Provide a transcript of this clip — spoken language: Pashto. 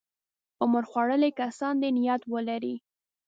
عمر خوړلي کسان دې نیت ولري.